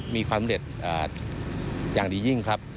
มีความเร็จอย่างดียิ่งครับ